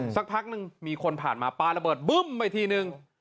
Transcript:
สักพักนึงมีคนผ่านมาปลาระเบิดบึ้มไปทีนึง